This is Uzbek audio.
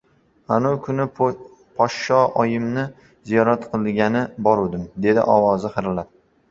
— Anuv kuni Poshsha oyimni ziyorat qilgani boruvdim, — dedi ovozi xirillab.